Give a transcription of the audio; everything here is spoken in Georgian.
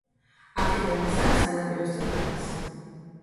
აქედან გზა სანაპიროსთან გადის.